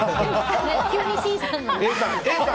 急にＣさんだ。